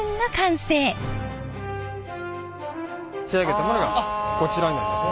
仕上げたものがこちらになります。